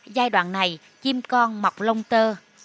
giai đoạn này chim con mọc lông tơ